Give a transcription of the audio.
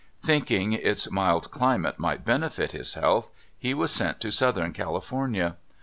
Thinking its mild climate might benefit his health, he was sent to Southern California.